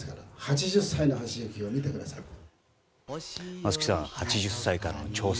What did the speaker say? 松木さん８０歳からの挑戦